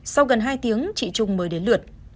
sau gần hai tiếng chị trung mới đến lượt